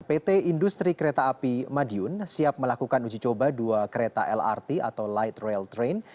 pt industri kereta api madiun siap melakukan uji coba dua kereta lrt atau light rail train